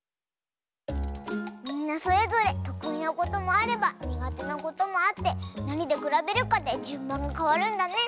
みんなそれぞれとくいなこともあればにがてなこともあってなにでくらべるかでじゅんばんがかわるんだね。